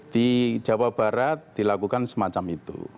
di jawa barat dilakukan semacam itu